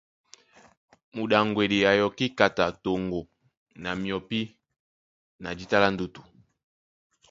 Mudaŋgwedi a yɔkí kata toŋgo na myɔpí na jíta lá ndutu.